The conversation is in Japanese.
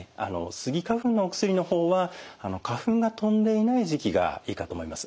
スギ花粉のお薬の方は花粉が飛んでいない時期がいいかと思います。